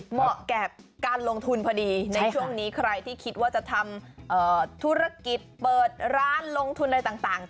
เหมาะกับการลงทุนพอดีในช่วงนี้ใครที่คิดว่าจะทำธุรกิจเปิดร้านลงทุนอะไรต่าง